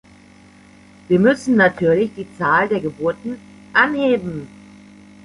Wir müssen natürlich die Zahl der Geburten anheben.